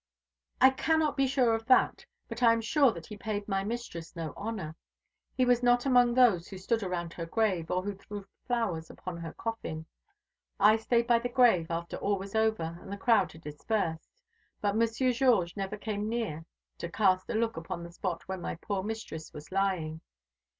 "I cannot be sure of that; but I am sure that he paid my mistress no honour. He was not among those who stood around her grave, or who threw flowers upon her coffin. I stayed by the grave after all was over and the crowd had dispersed; but Monsieur Georges never came near to cast a look upon the spot where my poor mistress was lying.